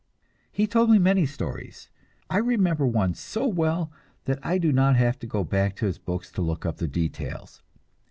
He told me many stories. I remember one so well that I do not have to go back to his books to look up the details.